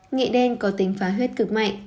nghệ đen có tính phá huyết cực mạnh